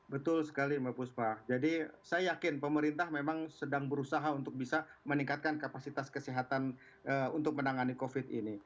betul sekali mbak puspa jadi saya yakin pemerintah memang sedang berusaha untuk bisa meningkatkan kapasitas kesehatan untuk menangani covid ini